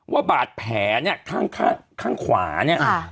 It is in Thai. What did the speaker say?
ว่าบาดแผลเนี่ยข้างข้างขวาเนี่ย